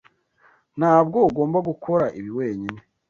Ntabwo ugomba gukora ibi wenyine.